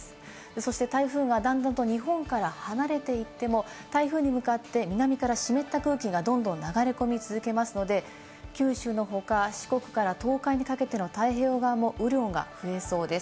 そして台風が段々と日本から離れて行っても台風に向かって南から湿った空気がどんどん流れ込み続けますので、九州の他、四国から東海にかけての太平洋側も雨量が増えそうです。